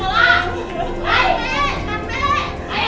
อิแม่เหมือนเฮีย